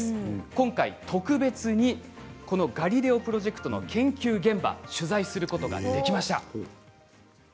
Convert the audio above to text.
今回、特別にこのガリレオプロジェクトの研究現場、取材することができました。